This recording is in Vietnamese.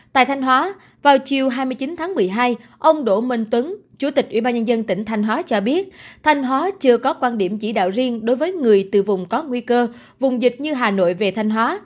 tại thanh hóa vào chiều hai mươi chín tháng một mươi hai ông đỗ minh tuấn chủ tịch ubnd tỉnh thanh hóa cho biết thanh hóa chưa có quan điểm chỉ đạo riêng đối với người từ vùng có nguy cơ vùng dịch như hà nội về thanh hóa